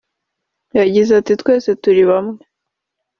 yagize ati "Twese turi bamwe